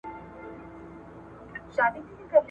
د خان ماینې ته هر څوک بي بي وایي !.